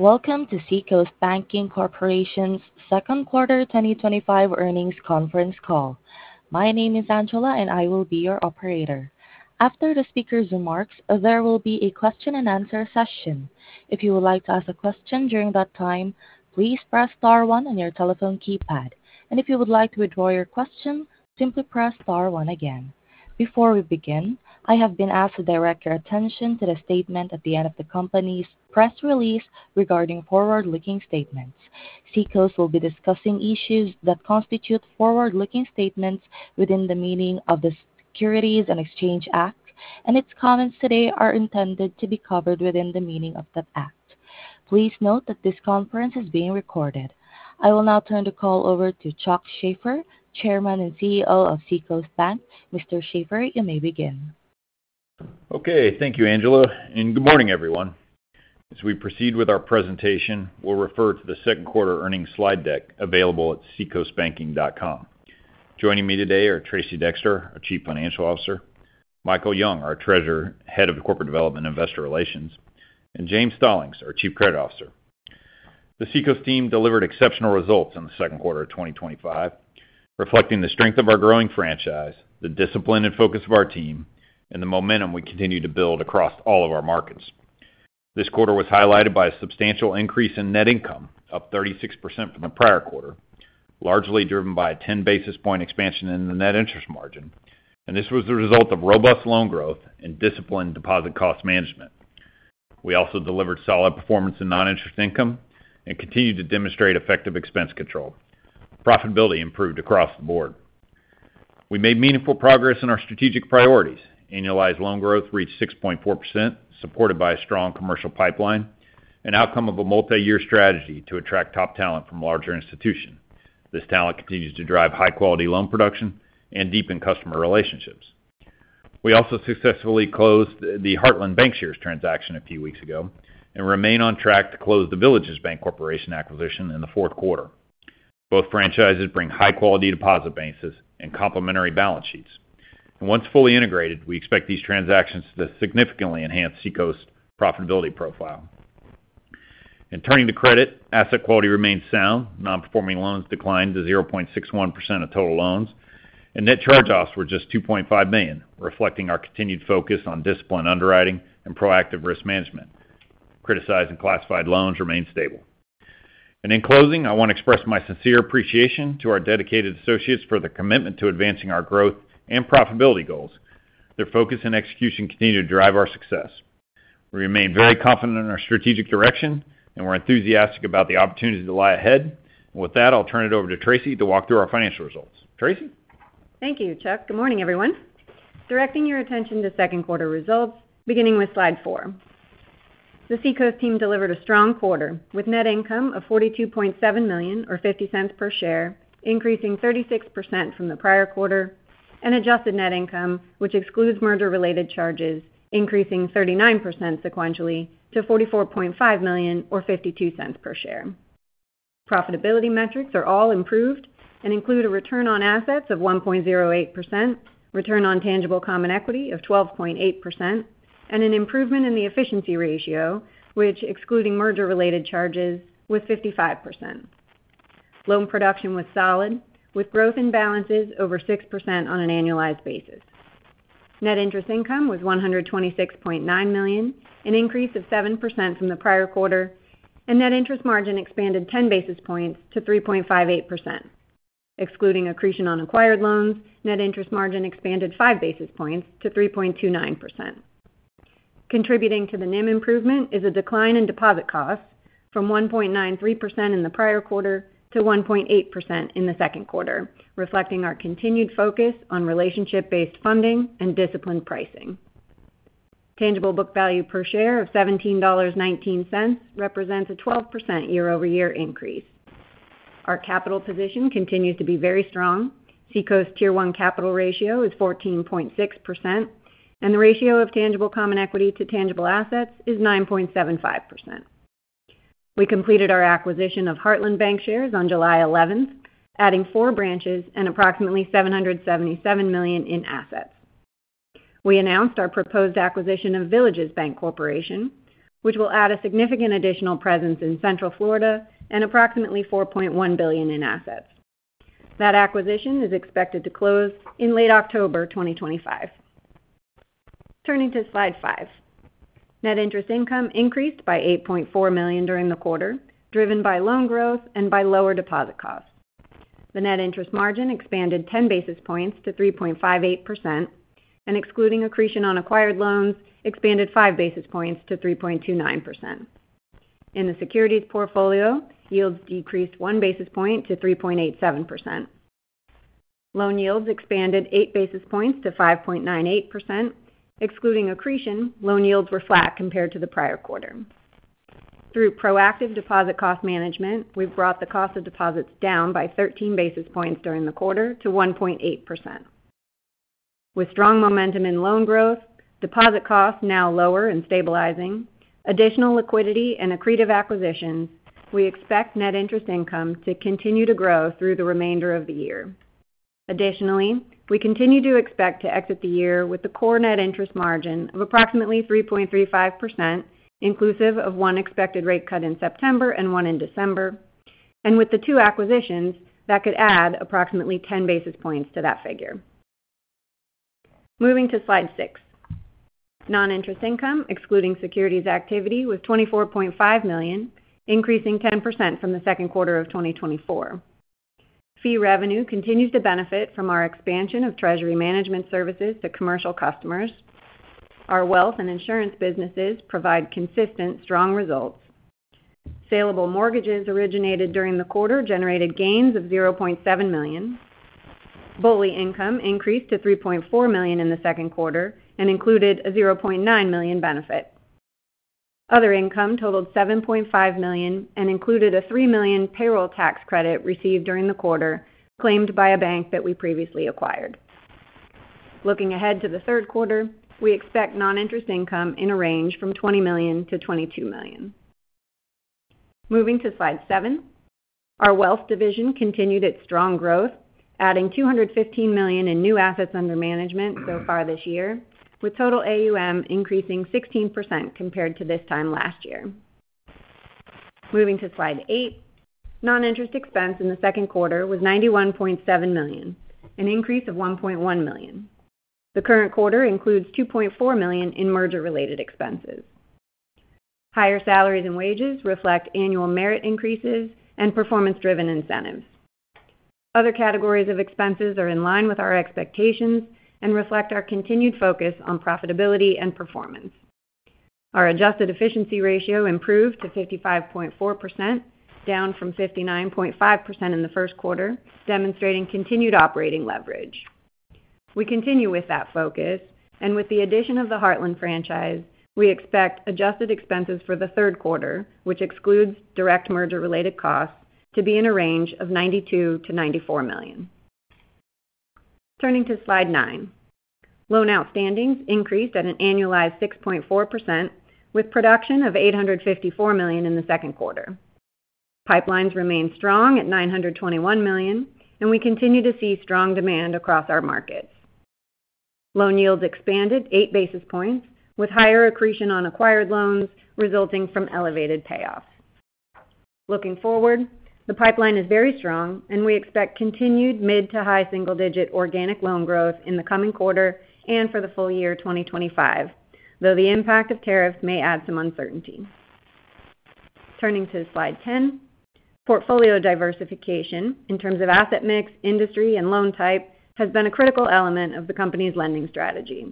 Welcome to Seacoast Banking Corporation of Florida's second quarter 2025 earnings conference call. My name is Angela and I will be your operator. After the speakers' remarks, there will be a question and answer session. If you would like to ask a question during that time, please press star one on your telephone keypad. If you would like to withdraw your question, simply press star one again. Before we begin, I have been asked to direct your attention to the statement at the end of the company's press release regarding forward-looking statements. Seacoast will be discussing issues that constitute forward-looking statements within the meaning of the Securities and Exchange Act and its comments today are intended to be covered within the meaning of the Act. Please note that this conference is being recorded. I will now turn the call over to Chuck Shaffer, Chairman and CEO of Seacoast Bank. Mr. Shaffer, you may begin. Okay, thank you, Angela, and good morning everyone. As we proceed with our presentation, we'll refer to the second quarter earnings slide deck available at seacoastbanking.com. Joining me today are Tracey Dexter, our Chief Financial Officer, Michael Young, our Treasurer, Head of Corporate Development; Investor Relations, and James Stallings, our Chief Credit Officer. The Seacoast team delivered exceptional results in the second quarter of 2025, reflecting the strength of our growing franchise, the discipline and focus of our team, and the momentum we continue to build across all of our markets. This quarter was highlighted by a substantial increase in net income, up 36% from the prior quarter, largely driven by a 10 basis point expansion in the net interest margin. This was the result of robust loan growth and disciplined deposit cost management. We also delivered solid performance in noninterest income and continued to demonstrate effective expense control. Profitability improved across the board. We made meaningful progress in our strategic priorities. Annualized loan growth reached 6.4%, supported by a strong commercial pipeline, an outcome of a multi-year strategy to attract top talent from larger institutions. This talent continues to drive high-quality loan production and deepen customer relationships. We also successfully closed the Heartland Bancshares transaction a few weeks ago and remain on track to close The Villages Bank Corporation acquisition in the fourth quarter. Both franchises bring high-quality deposit bases and complementary balance sheets, and once fully integrated, we expect these transactions to significantly enhance Seacoast's profitability profile. Turning to credit, asset quality remains sound. Nonperforming loans declined to 0.61% of total loans, and net charge-offs were just $2.5 million, reflecting our continued focus on disciplined underwriting and proactive risk management. Criticized and classified loans remain stable. In closing, I want to express my sincere appreciation to our dedicated associates for the commitment to advancing our growth and profitability goals. Their focus and execution continue to drive our success. We remain very confident in our strategic direction, and we're enthusiastic about the opportunities that lie ahead. With that, I'll turn it over to Tracey to walk through our financial results. Tracey, thank you, Chuck. Good morning, everyone. Directing your attention to second quarter results beginning with slide IV, the Seacoast team delivered a strong quarter with net income of $42.7 million or $0.50 per share, increasing 36% from the prior quarter and adjusted net income, which excludes merger related charges, increasing 39% sequentially to $44.5 million or $0.52 per share. Profitability metrics are all improved and include a return on assets of 1.08%, return on tangible common equity of 12.8%, and an improvement in the efficiency ratio, which excluding merger related charges was 55%. Loan production was solid with growth in balances over 6%. On an annualized basis, net interest income was $126.9 million, an increase of 7% from the prior quarter, and net interest margin expanded 10 basis points to 3.58%. Excluding accretion on acquired loans, net interest margin expanded 5 basis points to 3.29%. Contributing to the NIM improvement is a decline in deposit costs from 1.93% in the prior quarter to 1.8% in the second quarter, reflecting our continued focus on relationship-based funding and disciplined pricing. Tangible book value per share of $17.19 represents a 12% year-over-year increase. Our capital position continues to be very strong. Seacoast's Tier 1 capital ratio is 14.6% and the ratio of tangible common equity to tangible assets is 9.75%. We completed our acquisition of Heartland Bancshares on July 11th, adding four branches and approximately $777 million in assets. We announced our proposed acquisition of Villages Bank Corporation, which will add a significant additional presence in Central Florida and approximately $4.1 billion in assets. That acquisition is expected to close in late October 2025. Turning to slide V, net interest income increased by $8.4 million during the quarter, driven by loan growth and by lower deposit costs. The net interest margin expanded 10 basis points to 3.58% and excluding accretion on acquired loans expanded 5 basis points to 3.29%. In the securities portfolio, yields decreased 1 basis point to 3.87%. Loan yields expanded 8 basis points to 5.98%. Excluding accretion, loan yields were flat compared to the prior quarter. Through proactive deposit cost management, we brought the cost of deposits down by 13 basis points during the quarter to 1.8%. With strong momentum in loan growth, deposit costs now lower, and stabilizing additional liquidity and accretive acquisitions, we expect net interest income to continue to grow through the remainder of the year. Additionally, we continue to expect to exit the year with the core net interest margin of approximately 3.35% inclusive of one expected rate cut in September and one in December and with the two acquisitions that could add approximately 10 basis points to that figure. Moving to slide VI, noninterest income excluding securities activity was $24.5 million, increasing 10% from the second quarter of 2024. Fee revenue continues to benefit from our expansion of treasury management services to commercial customers. Our wealth and insurance businesses provide consistent strong results. Saleable mortgages originated during the quarter generated gains of $0.7 million. BOLI income increased to $3.4 million in the second quarter and included a $0.9 million benefit. Other income totaled $7.5 million and included a $3 million payroll tax credit received during the quarter claimed by a bank that we previously acquired. Looking ahead to the third quarter, we expect noninterest income in a range from $20 million-$22 million. Moving to slide VII, our wealth division continued its strong growth, adding $215 million in new assets under management so far this year with total AUM increasing 16% compared to this time last year. Moving to slide VIII, noninterest expense in the second quarter was $91.7 million, an increase of $1.1 million. The current quarter includes $2.4 million in merger-related expenses. Higher salaries and wages reflect annual merit increases and performance-driven incentives. Other categories of expenses are in line with our expectations and reflect our continued focus on profitability and performance. Our adjusted efficiency ratio improved to 55.4%, down from 59.5% in the first quarter, demonstrating continued operating leverage. We continue with that focus and with the addition of the Heartland franchise we expect adjusted expenses for the third quarter, which excludes direct merger-related costs, to be in a range of $92 million-$94 million. Turning to slide IX, loan outstandings increased at an annualized 6.4% with production of $854 million in the second quarter. Pipelines remain strong at $921 million and we continue to see strong demand across our markets. Loan yields expanded 8 basis points with higher accretion on acquired loans resulting from elevated payoffs. Looking forward, the pipeline is very strong and we expect continued mid to high single-digit organic loan growth in the coming quarter and for the full year 2025, though the impact of tariffs may add some uncertainty. Turning to slide X, portfolio diversification in terms of asset mix, industry, and loan type has been a critical element of the company's lending strategy.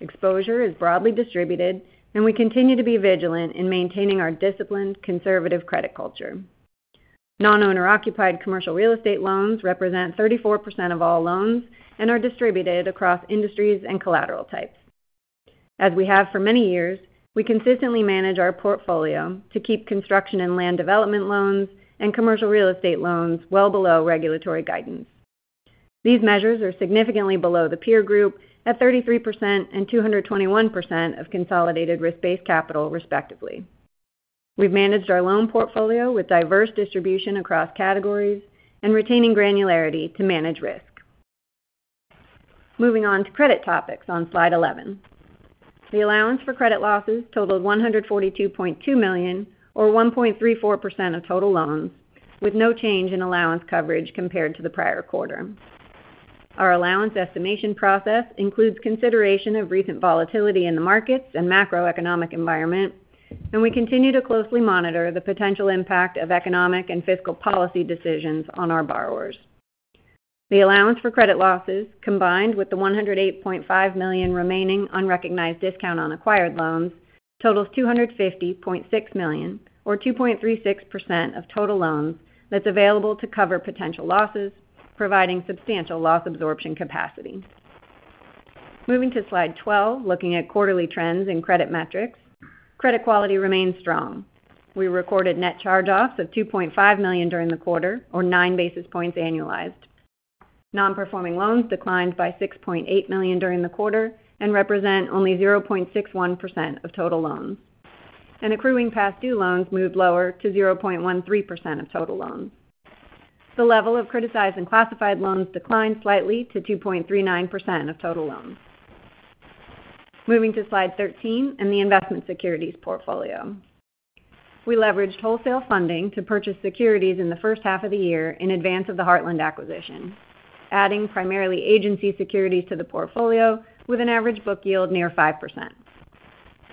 Exposure is broadly distributed and we continue to be vigilant in maintaining our disciplined, conservative credit culture. Non-owner-occupied commercial real estate loans represent 34% of all loans and are distributed across industries and collateral types. As we have for many years, we consistently manage our portfolio to keep construction and land development loans and commercial real estate loans well below regulatory guidance. These measures are significantly below the peer group at 33% and 221% of consolidated risk based capital, respectively. We've managed our loan portfolio with diverse distribution across categories and retaining granularity to manage risk. Moving on to credit topics on slide XI, the allowance for credit losses totaled $142.2 million, or 1.34% of total loans, with no change in allowance coverage compared to the prior quarter. Our allowance estimation process includes consideration of recent volatility in the markets and macroeconomic environment, and we continue to closely monitor the potential impact of economic and fiscal policy decisions on our borrowers. The allowance for credit losses combined with the $108.5 million remaining unrecognized discount on acquired loans totals $250.6 million, or 2.36% of total loans, that's available to cover potential losses, providing substantial loss absorption capacity. Moving to slide XII, looking at quarterly trends in credit metrics, credit quality remains strong. We recorded net charge-offs of $2.5 million during the quarter, or 9 basis points. Annualized nonperforming loans declined by $6.8 million during the quarter and represent only 0.61% of total loans, and accruing past due loans moved lower to 0.13% of total loans. The level of criticized and classified loans declined slightly to 2.39% of total loans. Moving to slide XIII and the investment securities portfolio, we leveraged wholesale funding to purchase securities in the first half of the year in advance of the Heartland acquisition, adding primarily agency securities to the portfolio with an average book yield near 5%.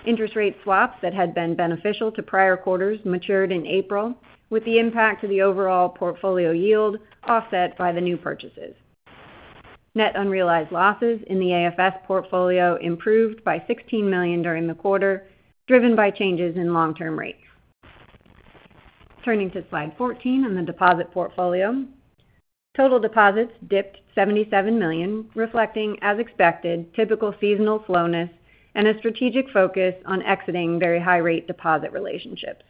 Interest rate swaps that had been beneficial to prior quarters matured in April, with the impact to the overall portfolio yield offset by the new purchases. Net unrealized losses in the AFS portfolio improved by $16 million during the quarter, driven by changes in long-term rates. Turning to slide XIV on the deposit portfolio, total deposits dipped $77 million, reflecting as expected typical seasonal slowness and a strategic focus on exiting very high-rate deposit relationships.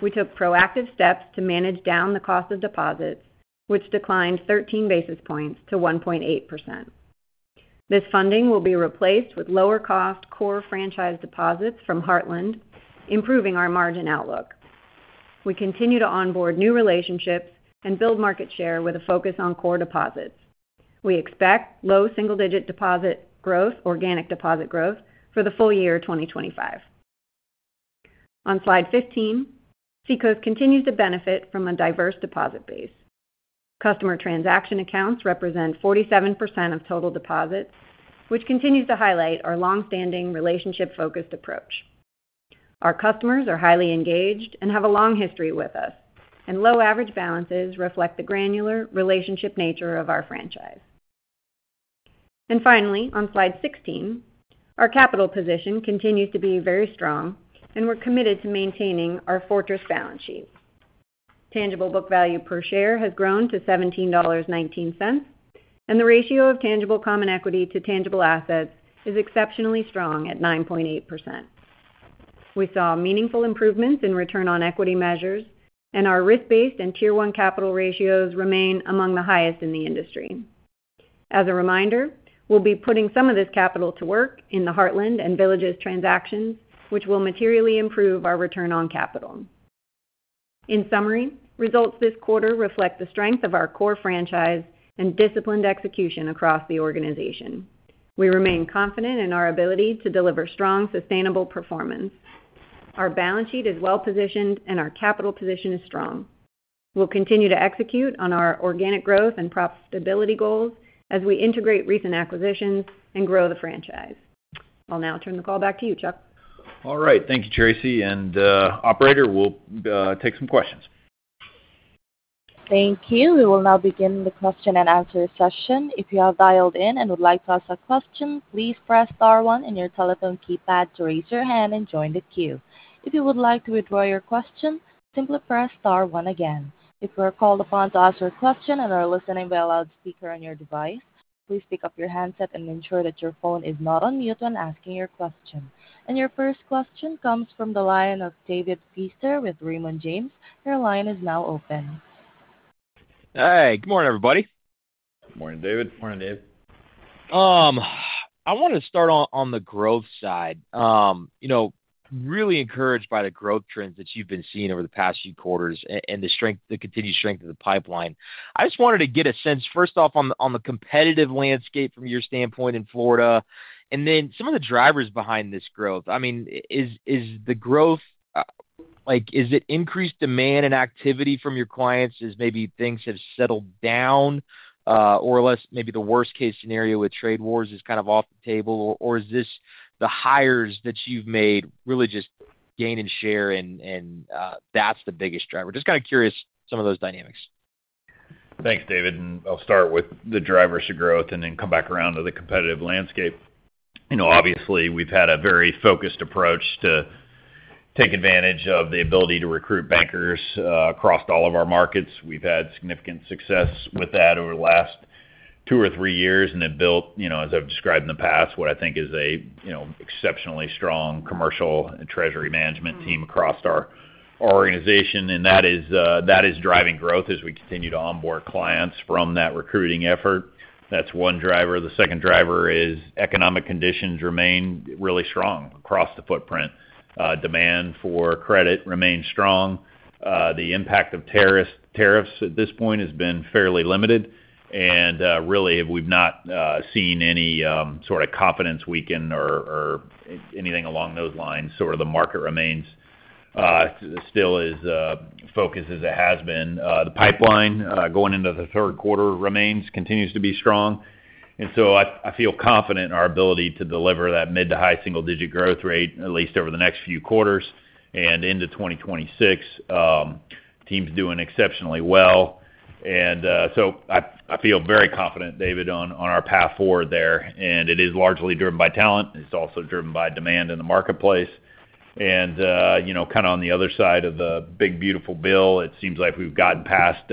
We took proactive steps to manage down the cost of deposits, which declined 13 basis points to 1.8%. This funding will be replaced with lower-cost core franchise deposits from Heartland, improving our margin outlook. We continue to onboard new relationships and build market share with a focus on core deposits. We expect low single-digit deposit growth, organic deposit growth for the full year 2025. On slide XV, Seacoast continues to benefit from a diverse deposit base. Customer transaction accounts represent 47% of total deposits, which continues to highlight our long-standing relationship-focused approach. Our customers are highly engaged and have a long history with us, and low average balances reflect the granular relationship nature of our franchise. Finally, on slide XVI, our capital position continues to be very strong, and we're committed to maintaining our fortress balance sheet. Tangible book value per share has grown to $17.19, and the ratio of tangible common equity to tangible assets is exceptionally strong at 9.8%. We saw meaningful improvements in return on equity measures, and our risk based and Tier 1 capital ratios remain among the highest in the industry. As a reminder, we'll be putting some of this capital to work in the Heartland and Villages transactions, which will materially improve our return on capital. In summary, results this quarter reflect the strength of our core franchise and disciplined execution across the organization. We remain confident in our ability to deliver strong, sustainable performance. Our balance sheet is well positioned, and our capital position is strong. We'll continue to execute on our organic growth and profitability goals as we integrate recent acquisitions and grow the franchise. I'll now turn the call back to you, Charles. All right, thank you, Tracey and operator. We'll take some questions. Thank you. We will now begin the question and answer session. If you have dialed in and would like to ask a question, please press star one on your telephone keypad to raise your hand and join the queue. If you would like to withdraw your question, simply press star one again. If you are called upon to ask your question and are listening by a loudspeaker on your device, please pick up your handset and ensure that your phone is not on mute when asking your question. Your first question comes from the line of David Feaster with Raymond James. Your line is now open. Hey, good morning, everybody. Morning, David. Morning, Dave. I want to start on the growth side. I'm really encouraged by the growth trends that you've been seeing over the past few quarters and the continued strength of the pipeline. I just wanted to get a sense first off on the competitive landscape from your standpoint in Florida and then some of the drivers behind this growth. Is the growth increased demand and activity from your clients as maybe things have settled down or maybe the worst case scenario with trade wars is kind of off the table, or is this the hires that you've made really just gaining share and that's the biggest driver? I'm just kind of curious, some of those dynamics. Thanks, David. I'll start with the drivers to growth and then come back around to the competitive landscape. Obviously, we've had a very focused approach to take advantage of the ability to recruit bankers across all of our markets. We've had significant success with that over the last two or three years and have built, as I've described in the past, what I think is an exceptionally strong commercial and treasury management team across our organization. That is driving growth as we continue to onboard clients from that recruiting effort. That's one driver. The second driver is economic conditions remain really strong across the footprint. Demand for credit remains strong. The impact of tariffs at this point has been fairly limited. We've not seen any sort of confidence weaken or anything along those lines. The market remains still as focused as it has been. The pipeline going into the third quarter continues to be strong. I feel confident in our ability to deliver that mid to high single digit growth rate at least over the next few quarters and into 2026. The team's doing exceptionally well. I feel very confident, David, on our path forward there. It is largely driven by talent. It's also driven by demand in the marketplace and on the other side of the big beautiful bill. It seems like we've gotten past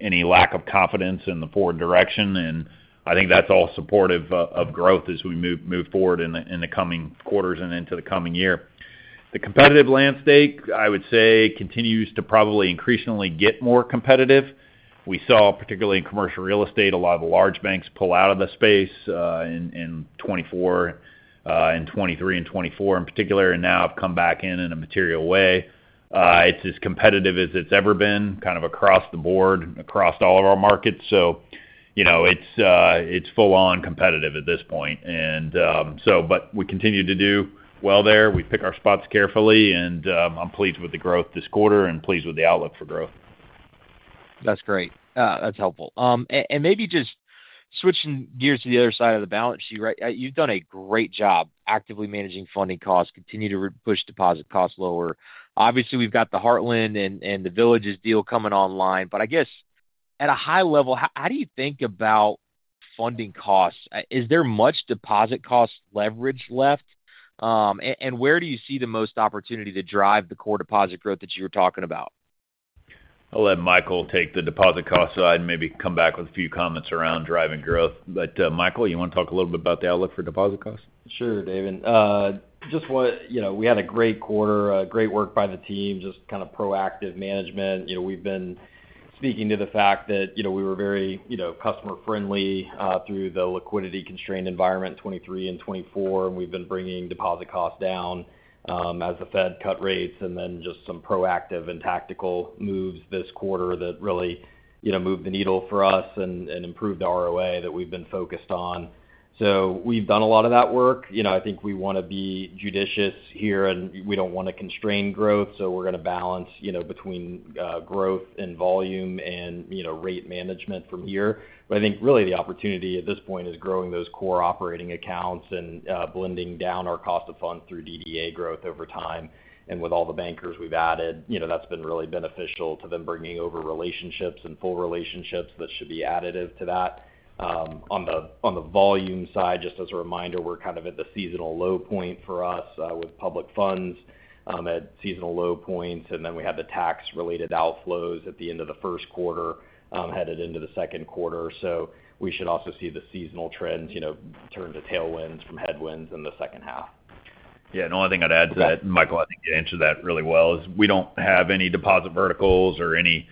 any lack of confidence in the forward direction. I think that's all supportive of growth as we move forward in the coming quarters and into the coming year. The competitive landscape continues to probably increasingly get more competitive. We saw particularly in commercial real estate, a lot of the large banks pull out of the space in 2023 and 2024 in particular and now have come back in in a material way. It's as competitive as it's ever been, kind of across the board, across all of our markets. It's full on competitive at this point, but we continue to do well there. We pick our spots carefully. I'm pleased with the growth this quarter and pleased with the outlook for. Growth. That's great, that's helpful. Maybe just switching gears to the other side of the balance sheet. You've done a great job actively managing funding costs. Continue to push deposit costs lower. Obviously, we've got the Heartland and The Villages deal coming online. I guess at a high level, how do you think about funding costs? Is there much deposit cost leverage left, and where do you see the most opportunity to drive the core deposit growth that you were talking about? I'll let Michael take the deposit cost side and maybe come back with a few comments around driving growth. Michael, you want to talk a. Little bit about the outlook for deposit costs? Sure, David. We had a great quarter, great work by the team, just kind of proactive management. We've been speaking to the fact that we were very customer-friendly through the liquidity-constrained environment 2023 and 2024 and we've been bringing deposit costs down as the Fed cut rates. There were some proactive and tactical moves this quarter that really moved the needle for us and improved the ROA that we've been focused on. We've done a lot of that work. I think we want to be judicious here and we don't want to constrain growth. We're going to balance between growth and volume and rate management from here. I think really the opportunity at this point is growing those core operating accounts and blending down our cost of funds through DDA growth over time. With all the bankers we've added, that's been really beneficial to them, bringing over relationships and full relationships that should be additive to that. On the volume side, just as a reminder, we're kind of at the seasonal low point for us with public funds at seasonal low points. We have the tax related outflows at the end of the first quarter headed into the second quarter. We should also see the seasonal trends turn to tailwinds from headwinds in the second half. Yeah, the only thing I'd add to that, Michael, I think you answered that really well, is we don't have any deposit verticals or any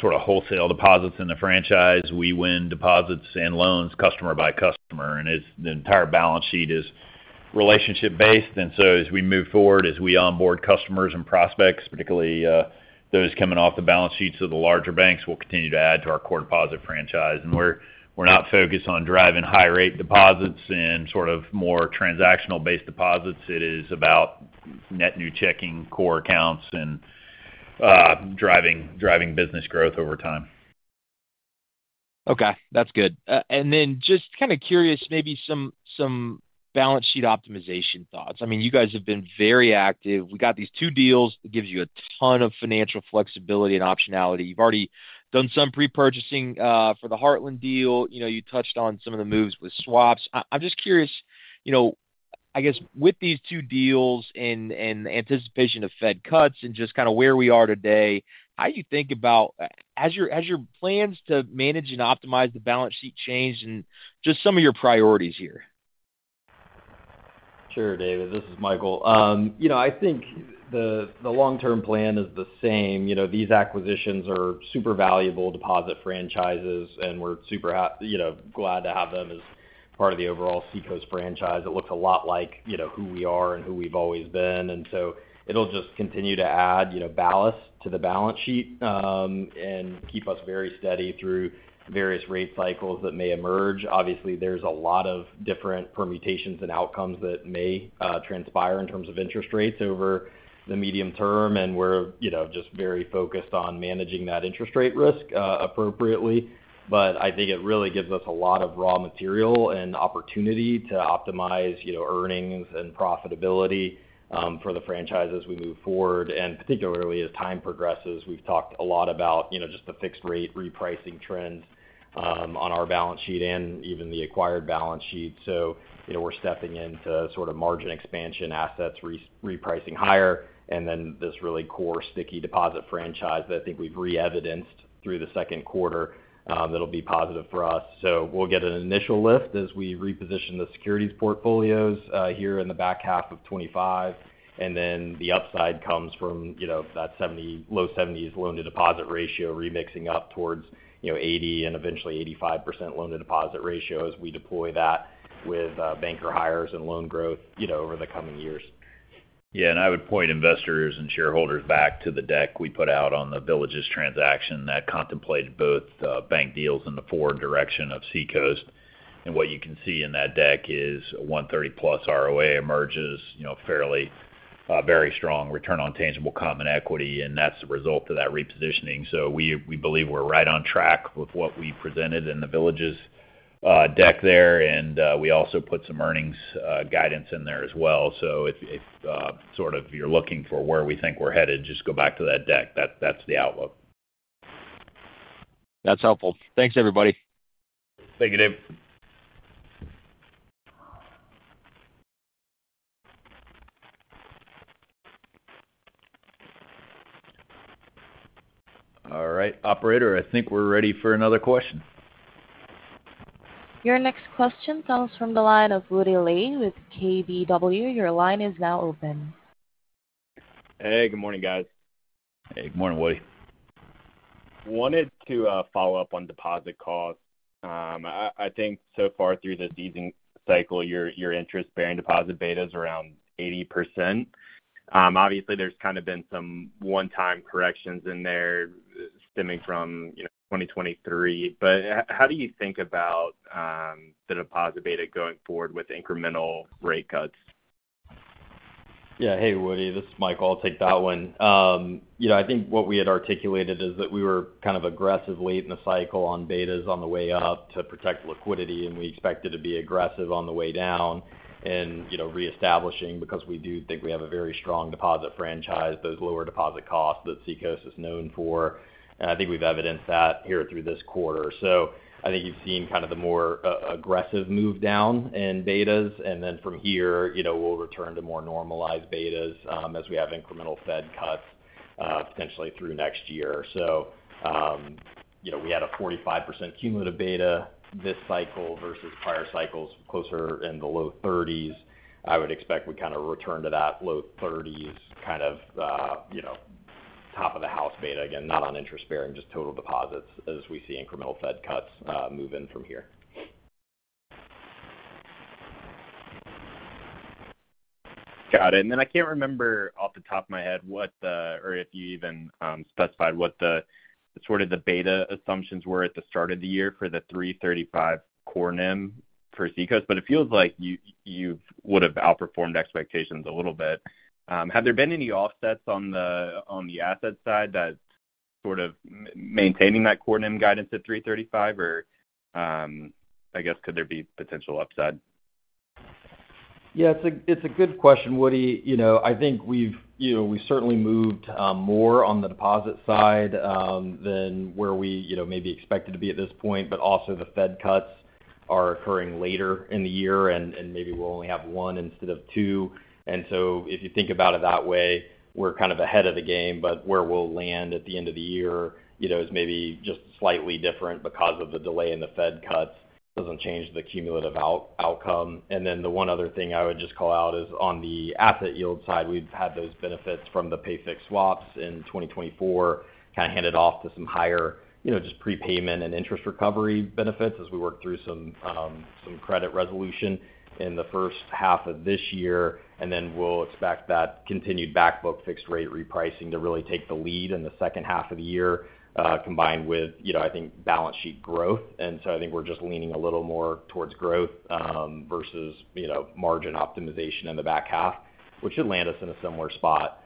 sort of wholesale deposits in the franchise. We win deposits and loans customer by customer, and the entire balance sheet is relationship based. As we move forward, as we onboard customers and prospects, particularly those coming off the balance sheets of the larger banks, we will continue to add to our core deposit franchise. We're not focused on driving high rate deposits and more transactional based deposits. It is about net new checking core accounts and driving business growth over time. Okay, that's good. I am just kind of curious, maybe some balance sheet optimization thoughts. You guys have been very active. We got these two deals that give you a ton of financial flexibility and optionality. You've already done some pre-purchasing for the Heartland deal. You touched on some of the moves with swaps. I'm just curious, with these two deals and anticipation of Fed cuts and just kind of where we are today, how do you think about, has your plans to manage and optimize the balance sheet changed, and just some of your priorities here? Sure. David, this is Michael. I think the long term plan is the same. These acquisitions are super valuable deposit franchises and we're super glad to have them as part of the overall Seacoast franchise. It looks a lot like who we are and who we've always been. It will just continue to add ballast to the balance sheet and keep us very steady through various rate cycles that may emerge. Obviously, there's a lot of different permutations and outcomes that may transpire in terms of interest rates over the medium term and we're just very focused on managing that interest rate risk appropriately. I think it really gives us a lot of raw material and opportunity to optimize earnings and profitability for the franchise as we move forward, particularly as time progresses. We've talked a lot about just the fixed rate repricing trends on our balance sheet and even the acquired balance sheet. We're stepping into margin expansion, assets repricing higher, and then this really core sticky deposit franchise that I think we've re-evidenced through the second quarter that'll be positive for us. We'll get an initial lift as we reposition the securities portfolios here in the back half of 2025, and the upside comes from that low 70% loan to deposit ratio remixing up towards 80% and eventually 85% loan to deposit ratio as we deploy that with banker hires and loan growth over the coming years. Yeah, I would point investors and shareholders back to the deck we put out on The Villages' transaction that contemplated both bank deals in the forward direction of Seacoast. What you can see in that deck is 1.30%+ ROA emerges, fairly very strong return on tangible common equity. That's the result of that repositioning. We believe we're right on track with what we presented in The Villages deck there, and we also put some earnings guidance in there as well. If you're looking for where we think we're headed, just go back to that deck. That's the outlook. That's helpful. Thanks, everybody. Thank you, David. All right, operator, I think we're ready for another question. Your next question comes from the line of Woody Lay with KBW. Your line is now open. Good morning, guys. Good morning, Woody. Wanted to follow up on deposit costs. I think so far through this easing cycle your interest bearing Deposit Beta is around 80%. Obviously there's kind of been some one-time corrections in there stemming from 2023. How do you think about the deposit beta going forward with incremental rate cuts? Yeah, hey Woody, this is Michael. I'll take that one. I think what we had articulated is that we were kind of aggressive late in the cycle on betas on the way up to protect liquidity and we expected to be aggressive on the way down and reestablishing because we do think we have a very strong deposit franchise. Those lower deposit costs that Seacoast is known for and I think we've evidenced that here through this quarter. I think you've seen kind of the more aggressive move down in betas and then from here we'll return to more normalized betas as we have incremental Fed cuts potentially through next year. We had a 45% cumulative beta this cycle versus prior cycles closer in the low 30s. I would expect we kind of return to that low 30s kind of, you know, top of the house beta. Again not on interest bearing, just total deposits as we see incremental Fed cuts move in from here. Got it. I can't remember off the top of my head what or if you even specified what the sort of the beta assumptions were at the start of the year for the 3.35% core NIM for Seacoast. It feels like you would have outperformed expectations a little bit. Have there been any offsets on the asset side that sort of maintaining that core net interest margin guidance at 3.35% or I guess could there be potential upside? Yeah, it's a good question, Woody. I think we've certainly moved more on the deposit side than where we maybe expected to be at this point. Also, the Fed cuts are occurring later in the year and maybe we'll only have one instead of two. If you think about it that way, we're kind of ahead of the game. Where we'll land at the end of the year is maybe just slightly different because the delay in the Fed cuts doesn't change the cumulative outcome. One other thing I would just call out is on the asset yield side, we've had those benefits from the pay fixed swaps in 2024 kind of handed off to some higher just prepayment and interest recovery benefits as we work through some credit resolution in the first half of this year. We'll expect that continued back book fixed rate repricing to really take the lead in the second half of the year combined with, I think, balance sheet growth. I think we're just leaning a little more towards growth versus margin optimization in the back half, which should land us in a similar spot.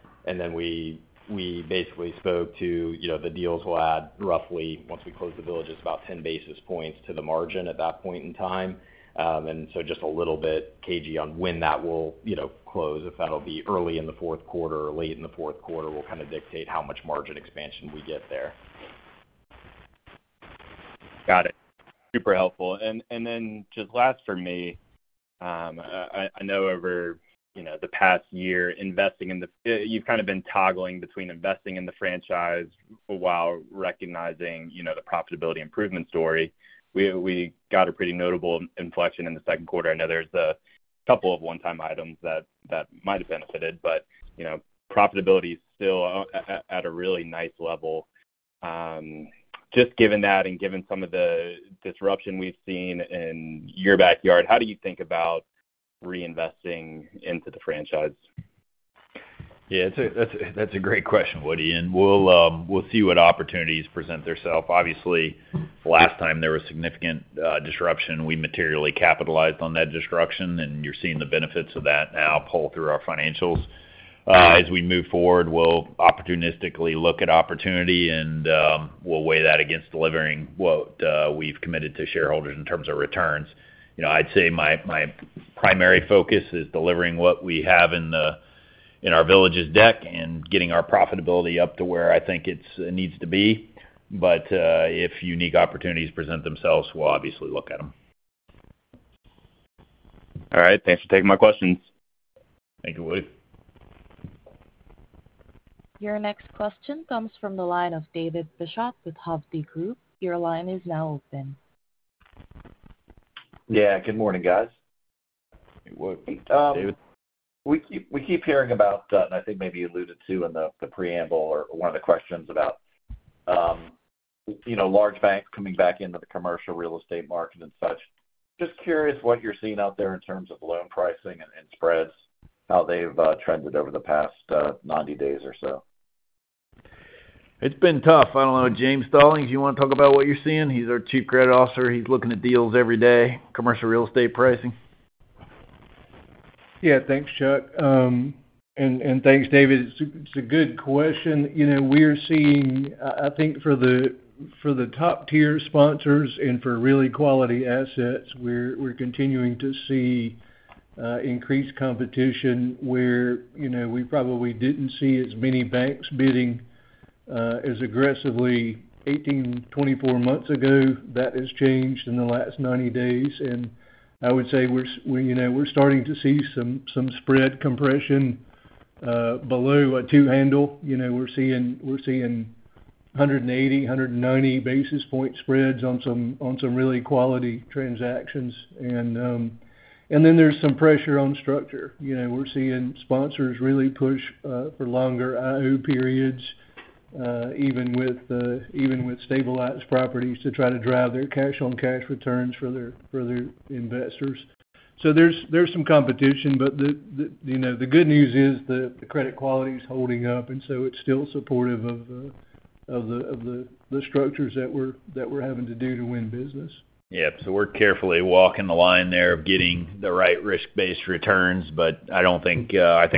We basically spoke to the deals. We'll add roughly, once we close The Villages, about 10 basis points to the margin at that point in time. We're just a little bit cagey on when that will close. If that'll be early in the fourth quarter or late in the fourth quarter will kind of dictate how much margin expansion we get there. Got it. Super helpful. Just last for me, I know over the past year you've kind of been toggling between investing in the franchise while recognizing the profitability improvement story. We got a pretty notable inflection in the second quarter. I know there's a couple of one-time items that might have benefited, but profitability is still at a really nice level. Just given that and given some of the disruption we've seen in your backyard, how do you think about reinvesting into the franchise? Yeah, that's a great question, Woody. We'll see what opportunities present themselves. Obviously, last time there was significant disruption, we materially capitalized on that disruption and you're seeing the benefits of that now pull through our financials as we move forward. We'll opportunistically look at opportunity and we'll weigh that against delivering what we've committed to shareholders in terms of returns. I'd say my primary focus is delivering what we have in our Villages deck and getting our profitability up to where I think it needs to be. If unique opportunities present themselves, we'll obviously look at them. All right, thanks for taking my questions. Thank you. Woody. Your next question comes from the line of David Bishop with Hovde Group. Your line is now open. Yeah, good morning guys. We keep hearing about, I think. Maybe you alluded to in the preamble or one of the questions about large banks coming back into the Commercial Real Estate Market and such. Just curious what you're seeing out there in terms of loan pricing and spreads, how they've trended over the past 90 days or so. It's been tough. I don't know. James Stallings, you want to talk about what you're seeing? He's our Chief Credit Officer. He's looking at deals every day. Commercial real estate pricing. Yeah, thanks Chuck, and thanks David. It's a good question. You know, we're seeing, I think for the top-tier sponsors and for really quality assets, we're continuing to see increased competition where we probably didn't see as many banks bidding as aggressively 18, 24 months ago. That has changed in the last 90 days. I would say we're starting to see some spread compression below a two-handle. You know, we're seeing 180, 190 basis point spreads on some really quality transactions. There's some pressure on structure. We're seeing sponsors really push for longer IO periods even with stabilized properties to try to drive their cash-on-cash returns for their investors. There's some competition, but the good news is the credit quality is holding up and it's still supportive of the structures that we're having to do to win business. Yep. We're carefully walking the line there of getting the right risk-based returns. I think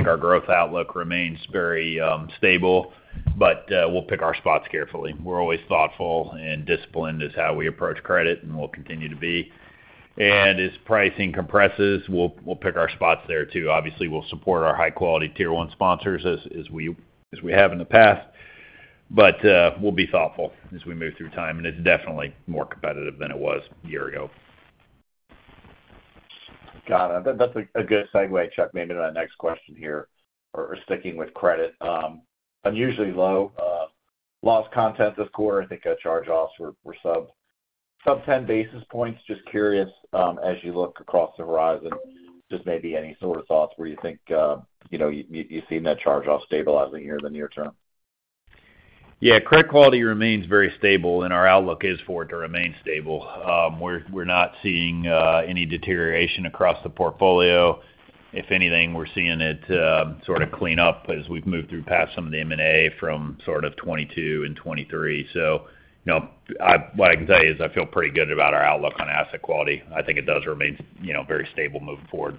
our growth outlook remains very stable, and we'll pick our spots carefully. We're always thoughtful and disciplined as to how we approach credit, and we'll continue to be. As pricing compresses, we'll pick our spots there too. Obviously, we'll support our high-quality Tier 1 sponsors as we have in the past, but we'll be thoughtful as we move through time. It's definitely more competitive than it was a year ago. Got it. That's a good segue, Chuck. Maybe to my next question here, or sticking with credit. Unusually low loss content this quarter. I think charge-offs were sub 10 basis points. Just curious as you look across the horizon, maybe any sort of thoughts where you think you've seen that charge-off stabilizing here in the near term? Yeah, credit quality remains very stable, and our outlook is for it to remain stable. We're not seeing any deterioration across the portfolio. If anything, we're seeing it sort of clean up as we've moved through past some of the M&A from 2022 and 2023. What I can tell you is I feel pretty good about our outlook on asset quality. I think it does remain strong, very stable, moving forward.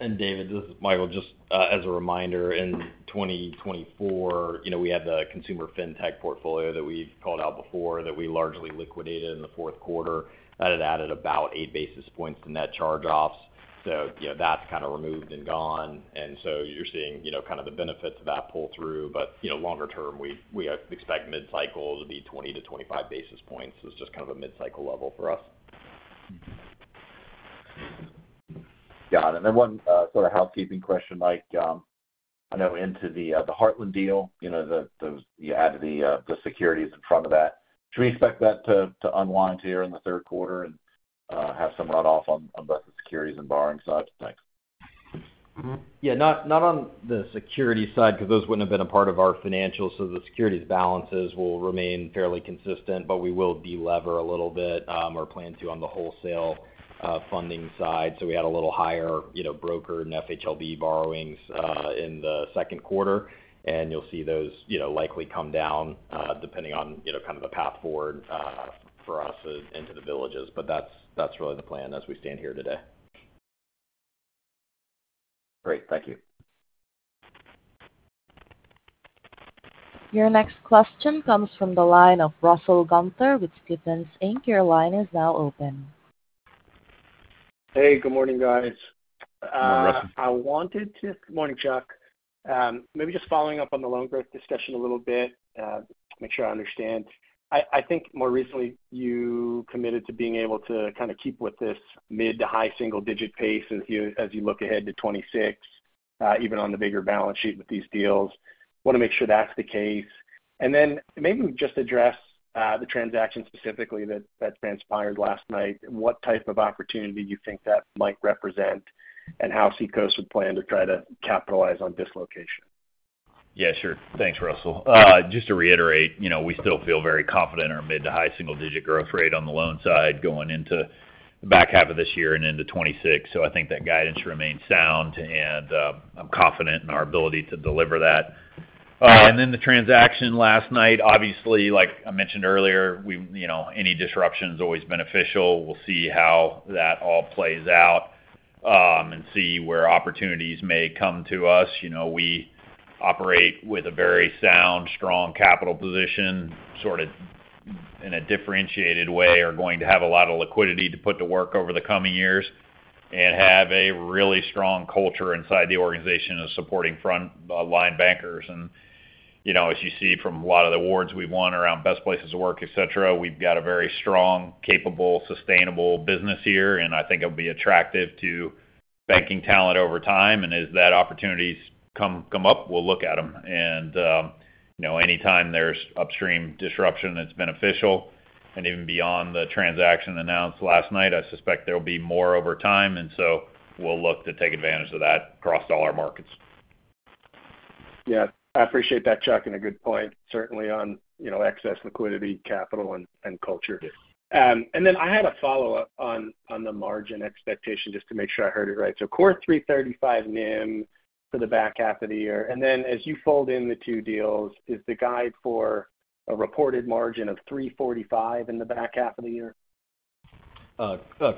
David, Michael, just as a reminder, in 2024 we had the consumer Fintech portfolio that we've called out before that we largely liquidated in the fourth quarter that had added about 8 basis points to net charge-offs. That is kind of removed and gone, and you are seeing kind of the benefits of that pull through. Longer term we expect mid-cycle to be 20-25 basis points. It is just kind of a mid-cycle level for us. Got it. One sort of housekeeping question, Mike. I know into the Heartland deal you add the securities in front of that. Should we expect that to unwind here? In the third quarter and have some runoff on both the securities and borrowing side? Thanks. Yeah, not on the securities side because those wouldn't have been a part of our financials. The securities balances will remain fairly consistent, but we will delever a little bit or plan to on the wholesale funding side. We had a little higher broker and FHLB borrowings in the second quarter, and you'll see those likely come down depending on the path forward for us into The Villages. That's really the plan as we stand here today. Great, thank you. Your next question comes from the line of Russell Gunther with Stephens. Your line is now open. Hey, good morning guys. Morning Chuck. Maybe just following up on the loan growth discussion a little bit. Make sure I understand. I think more recently you committed to being able to kind of keep with this mid to high single digit pace as you look ahead to 2026 even. On the bigger balance sheet with these deals. Want to make sure that's the case, and then maybe just address the transaction specifically that transpired last night. What type of opportunity you think that might represent, and how Seacoast would plan to try to capitalize on dislocation. Yeah, sure. Thanks, Russell. Just to reiterate, you know, we still feel very confident our mid to high single digit growth rate on the loan side going into the back half of this year and into 2026. So. I think that guidance remains sound and I'm confident in our ability to deliver that. The transaction last night, obviously like I mentioned earlier, any disruption is always beneficial. We'll see how that all plays out and see where opportunities may come to us. We operate with a very sound, strong capital position in a differentiated way. Are going to have a lot of. Liquidity to put to work over the. Coming years and have a really strong culture inside the organization of supporting front line bankers. As you know, as you see from a lot of the awards we've won around best places to work, etc., we've got a very strong, capable, sustainable business here, and I think it'll be attractive to banking talent over time. As that opportunities come up, we'll look at them. Anytime there's upstream disruption, that's beneficial. Even beyond the transaction announced last night, I suspect there'll be more over time, so we'll look to take advantage of that across all our markets. Yeah, I appreciate that, Chuck, and a good point certainly on excess liquidity, capital and culture. I had a follow up on the margin expectation just to make sure I heard it right. Core 335 NIM for the back. Half of the year, and then as. You fold in the two deals as the guide for a reported margin of 3.45% in the back half of the year.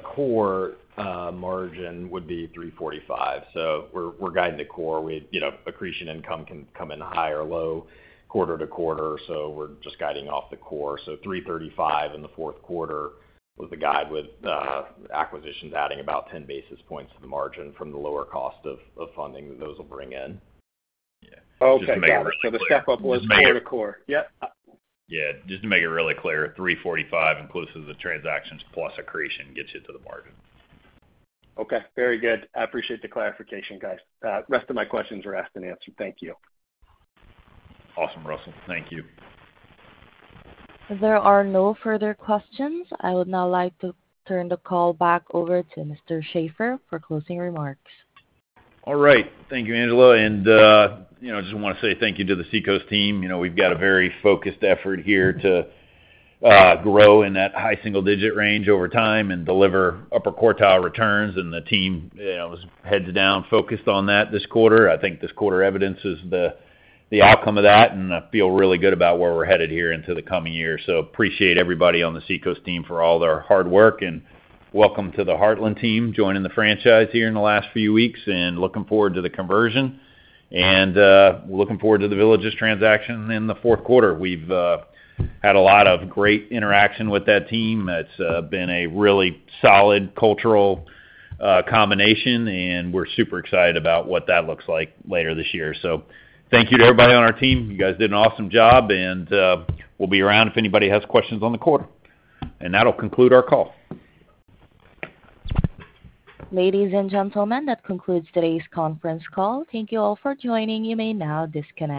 Core margin would be 345. We're guiding the core. Accretion income can come in high or low quarter-to-quarter, so we're just guiding off the core. 335 in the fourth quarter was the guide, with acquisitions adding about 10 basis points to the margin from the lower cost of funding that those will bring in. The step up was core to core. Yep. Yeah. Just to make it really clear, $345 million includes the transactions plus accretion, gets you to the margin. Okay, very good. I appreciate the clarification, guys. The rest of my questions were asked and answered. Thank you. Awesome, Russell, thank you. There are no further questions. I would now like to turn the call back over to Mr. Shaffer for closing remarks. All right, thank you, Angela. I just want to say thank you to the Seacoast Team. We've got a very focused effort here to grow in that high single-digit range over time and deliver upper-quartile returns. The team was heads down focused on that this quarter. I think this quarter evidences the outcome of that, and I feel really good about where we're headed here into the coming year. I appreciate everybody on the Seacoast team for all their hard work and welcome to the Heartland Team joining the franchise here in the last few weeks. I'm looking forward to the conversion and looking forward to The Villages transaction in the fourth quarter. We've had a lot of great interaction with that team. It's been a really solid cultural combination, and we're super excited about what that looks like later this year. Thank you to everybody on our team. You guys did an awesome job and will be around if anybody has questions on the quarter. That will conclude our call. Ladies and gentlemen, that concludes today's conference call. Thank you all for joining. You may now disconnect.